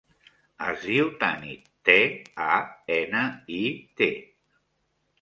Es diu Tanit: te, a, ena, i, te.